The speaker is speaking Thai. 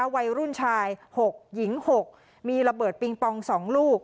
วัยรุ่นชาย๖หญิง๖มีระเบิดปิงปอง๒ลูก